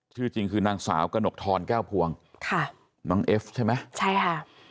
ชื่อจริงคือนางสาวกระหนกทรแก้วพวงค่ะน้องเอฟใช่ไหมใช่ค่ะ